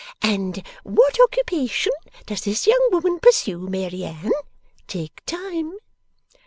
And what occupation does this young woman pursue, Mary Anne? Take time.